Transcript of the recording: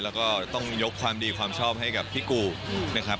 แล้วก็ต้องยกความดีความชอบให้กับพี่กูนะครับ